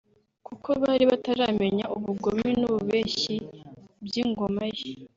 kuko bari bataramenya ubugome n’ububeshyi by’ingoma ye